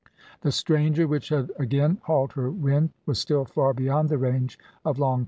The stranger, which had again hauled her wind, was still far beyond the range of Long Tom.